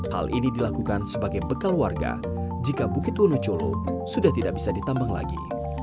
hal ini dilakukan sebagai bekal warga jika bukit wonocolo sudah tidak bisa ditambang lagi